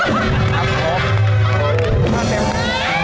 ครับครบ